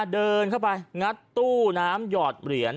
เดินเข้าไปงัดตู้น้ำหยอดเหรียญ